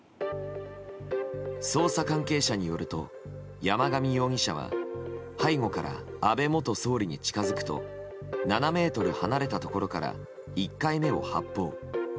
捜査関係者によると山上容疑者は背後から安倍元総理に近づくと７ｍ離れたところから１回目を発砲。